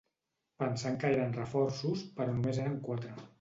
Pensant que eren reforços, però només eren quatre